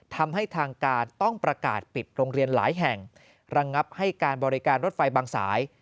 ทำให้ทางการต้องประกาศปิดโรงเรียนหลายแห่งระงับให้การบริการรถไฟบางสาย